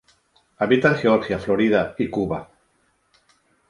Habita en Georgia, Florida, y Cuba.